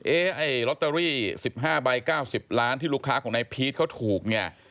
ไอ้ลอตเตอรี่๑๕ใบ๙๐ล้านที่ลูกค้าของนายพีชเขาถูกเนี่ย